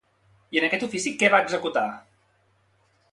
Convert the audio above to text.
I en aquest ofici què va executar?